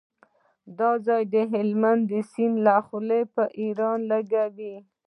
دا ځای هلمند سیند خوله پر ایران لګوي.